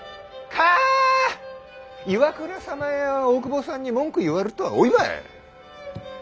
かぁ岩倉様や大久保さんに文句言わるっとはおいばい。